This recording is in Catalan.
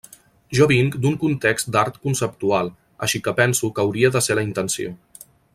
Jo vinc d'un context d'art conceptual, així que penso que hauria de ser la intenció.